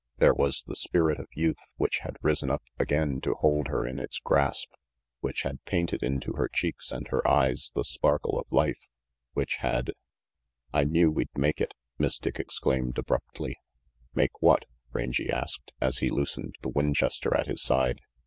There was the spirit of youth which had risen up again to hold her in its grasp, which had painted into her cheeks and her eyes the sparkle of life, which had "I knew we'd make it," Miss Dick exclaimed abruptly. "Make what?" Rangy asked, as he loosened the Winchester at his side.